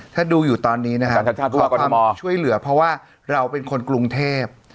ถ้าดูอยู่ตอนนี้นะฮะผู้กรทมช่วยเหลือเพราะว่าเราเป็นคนกรุงเทพ